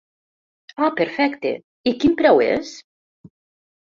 Ah perfecte, i quin preu es?